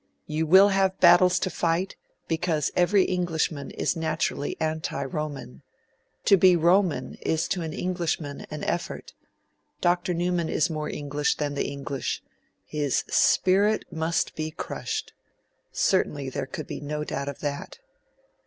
You will have battles to fight because every Englishman is naturally anti Roman. To be Roman is an effort to an Englishman an effort. Dr. Newman is more English than the English. His spirit must be crushed.' His spirit must be crushed! Certainly there could be no doubt of that.